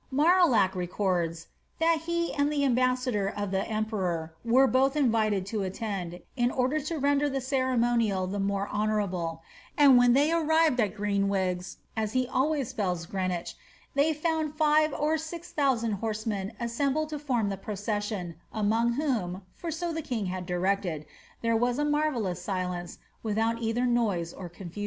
3Iarillac records, *^ that he and the ambassador of the emperor were both invited to attend, in order to render the ceremonial the more ho nourable, and when they arrived at Greenwigs (as he always spells Greenwich) they found five or six thousand horsemen assembled to form tlie procession, among whom, for so the king had directed, there was a marvellous silence, witliout either noise or confusion."